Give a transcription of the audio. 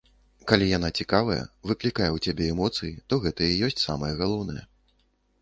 Калі яна цікавая, выклікае ў цябе эмоцыі, то гэта і ёсць самае галоўнае.